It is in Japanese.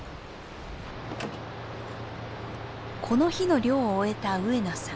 この日の漁を終えた上野さん。